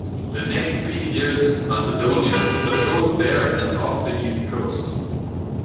The next three years "Macedonian" patrolled there and off the East Coast.